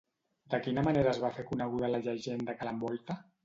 De quina manera es va fer coneguda la llegenda que l'envolta?